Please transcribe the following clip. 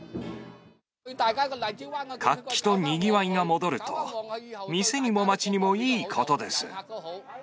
活気とにぎわいが戻ると、店にも町にもいいことです。